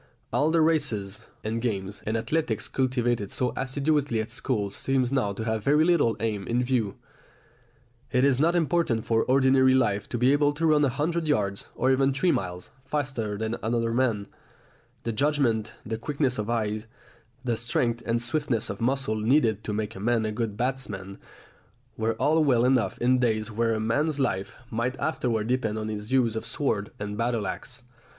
All the races, and games, and athletics cultivated so assiduously at school seem now to have very little aim in view. It is not important for ordinary life to be able to run a hundred yards, or even three miles, faster than another man; the judgment, the quickness of eye, the strength and swiftness of muscle needed to make a man a good batsman were all well enough in days when a man's life might afterwards depend on his use of sword and battle axe.